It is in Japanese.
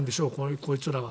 こいつらは。